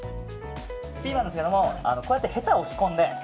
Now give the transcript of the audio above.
ピーマンですけどもヘタを押し込んで。